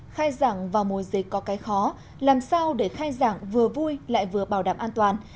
khai giảng vào mùa dịch có cái khó làm sao để khai giảng vừa vui lại vừa bảo đảm an toàn